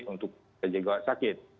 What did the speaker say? untuk menjaga sakit